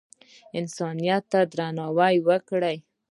انسانیت ته درناوی وکړئ